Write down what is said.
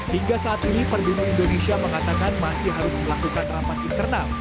hingga saat ini pergunu indonesia mengatakan masih harus melakukan rapat internal